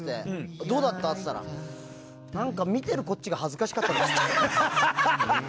どうだった？って聞いたら何か見ているこっちが恥ずかしかったですって。